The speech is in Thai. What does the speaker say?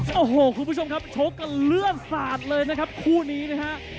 โอ้โหคุณผู้ชมครับชกกันเลือดสาดเลยนะครับคู่นี้นะฮะ